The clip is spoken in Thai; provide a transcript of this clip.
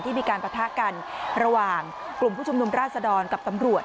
มีการปะทะกันระหว่างกลุ่มผู้ชุมนุมราชดรกับตำรวจ